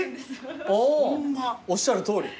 おっしゃるとおり。